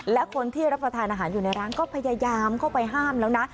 และคนที่รับประทานอาหารอยู่ในร้านก็พยายามเข้าไปห้ามแล้วนะ